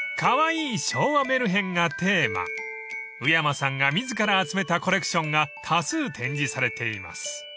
［宇山さんが自ら集めたコレクションが多数展示されています］